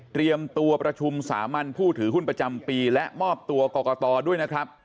ตัวประชุมสามัญผู้ถือหุ้นประจำปีและมอบตัวกรกตด้วยนะครับ